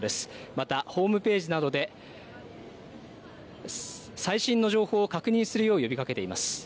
また、ホームページなどで、最新の情報を確認するよう呼びかけています。